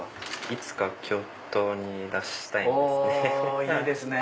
いつか京都に出したいですね。